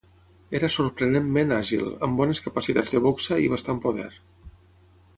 Era sorprenentment àgil, amb bones capacitats de boxa i bastant poder.